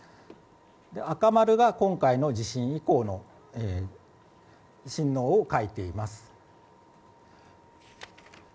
赤丸が今回の地震以降の振動を書いています。